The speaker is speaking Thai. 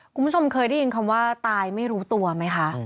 คุณผู้ชมเคยได้ยินคำว่าตายไม่รู้ตัวไหมคะ